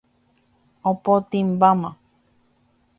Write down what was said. Ipotĩmbáma.